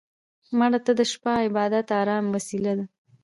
مړه ته د شپه عبادت د ارام وسيله ده